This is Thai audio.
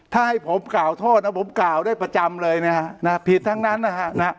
ถ้าให้ผมกล่าวโทษผมกล่าวได้ประจำเลยผิดทั้งนั้น